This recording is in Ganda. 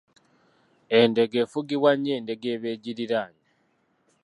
Endeega efugibwa nnyo endeega eba egiriraanye